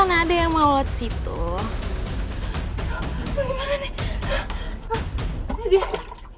mbak jangan ditutup mbak